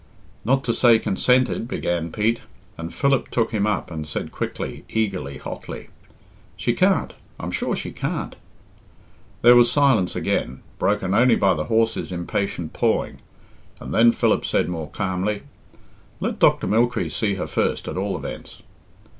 "Not to say consented " began Pete; and Philip took him up and said quickly, eagerly, hotly "She can't I'm sure she can't." There was silence again, broken only by the horse's impatient pawing, and then Philip said more calmly, "Let Dr. Mylechreest see her first, at all events."